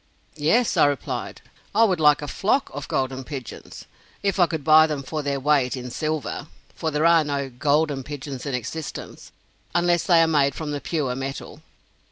"Yes," I replied, "I would like a flock of 'golden pigeons,' if I could buy them for their weight in silver; for there are no 'golden' pigeons in existence, unless they are made from the pure metal."